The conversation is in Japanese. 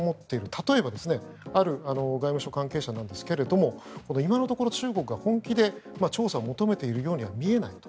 例えば、ある外務省関係者なんですけれども今のところ中国が本気で調査を求めているようには見えないと。